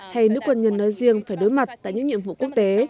hay nữ quân nhân nói riêng phải đối mặt tại những nhiệm vụ quốc tế